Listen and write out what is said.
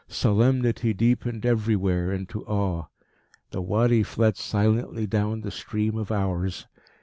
Solemnity deepened everywhere into awe. The Wadi fled silently down the stream of hours.